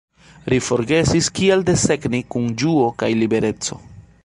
Ri forgesis kiel desegni kun ĝuo kaj libereco.